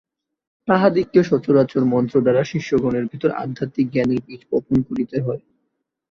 তাঁহাদিগকে সচরাচর মন্ত্র দ্বারা শিষ্যগণের ভিতর আধ্যাত্মিক জ্ঞানের বীজ বপন করিতে হয়।